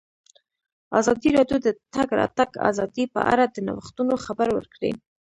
ازادي راډیو د د تګ راتګ ازادي په اړه د نوښتونو خبر ورکړی.